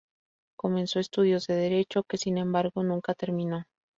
Comenzó estudios de Derecho, que sin embargo nunca terminó.